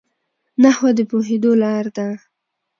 نحوه د پوهېدو لار ده.